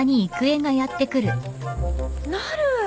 なる！